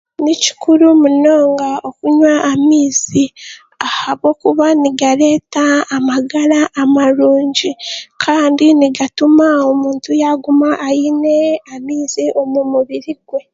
Ni kikuru munonga okunywa amaizi ahabw'okuba nigareeta amagara amarungi kandi nigatuma omuntu yaaguma aine amaizi omu mubiri gwe.